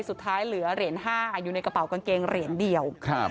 เหลือเหรียญห้าอยู่ในกระเป๋ากางเกงเหรียญเดียวครับ